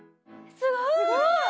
すごい！